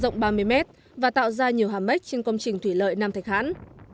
hiện trạng hố tiêu năng đang gây ra nhiều hàm mếch trên công trình thủy lợi nam thạch hãn